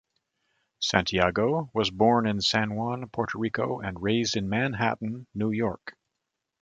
Santiago was born in San Juan, Puerto Rico and raised in Manhattan, New York.